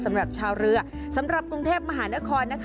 สำหรับชาวเรือสำหรับกรุงเทพมหานคร